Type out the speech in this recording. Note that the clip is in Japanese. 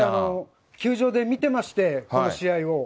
球場で見てまして、この試合を。